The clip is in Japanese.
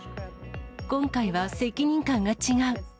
今回は責任感が違う。